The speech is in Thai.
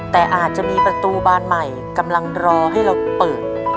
แต่อาจจะมีประตูบานใหม่กำลังรอให้เราเปิด